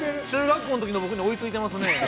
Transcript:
中学校のときの僕に追いついてますね。